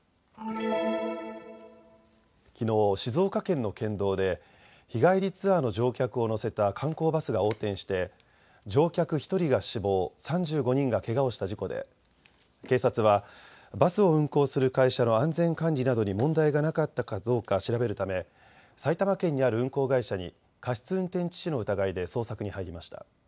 きのう静岡県の県道で日帰りツアーの乗客を乗せた観光バスが横転して乗客１人が死亡、３５人がけがをした事故で警察はバスを運行する会社の安全管理などに問題がなかったかどうか調べるため、埼玉県にある運行会社に過失運転致死の疑いで捜索に入りました。